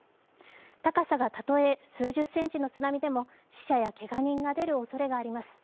高さが例え数十センチの津波でも死者やけが人が出るおそれがあります。